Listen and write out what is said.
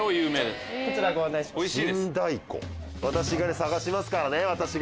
探しますからね私が！